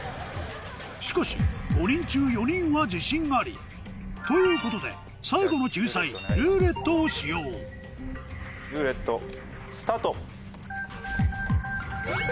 しかし５人中４人は自信ありということで最後の救済「ルーレット」を使用ルーレットスタート！